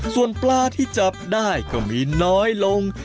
ส่วนปลาที่จับได้ก็มีน้อยลง